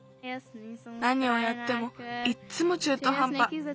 なにをやってもいっつもちゅうとはんぱ。